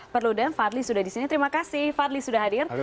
perludem fadli sudah di sini terima kasih fadli sudah hadir